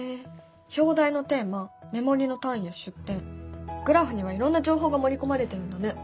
表題のテーマ目盛りの単位や出典グラフにはいろんな情報が盛り込まれてるんだね。